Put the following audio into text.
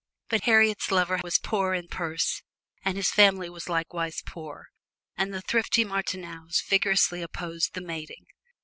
But Harriet's lover was poor in purse and his family was likewise poor, and the thrifty Martineaus vigorously opposed the mating.